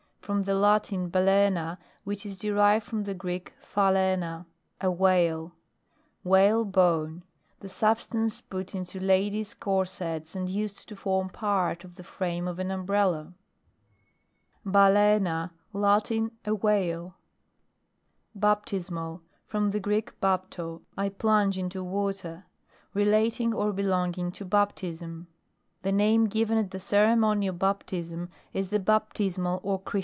From the Latin, balaena, which is derived from the Greek, phalaina, a whale. Whalebone. The substance put into ladies' cor sets, and used to form part of the frame of an umbrella. BAL^SNA. Latin. A whale. BAPTISMAL. From the Greek, baplo, I plunge into water. Rdaung, or belonging to baptism. The name given at the ceremony of baptism, is the baptismal or chri.